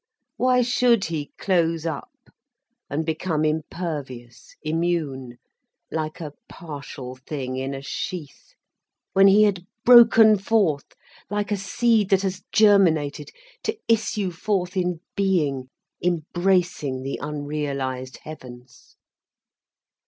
Why should he close up and become impervious, immune, like a partial thing in a sheath, when he had broken forth, like a seed that has germinated, to issue forth in being, embracing the unrealised heavens.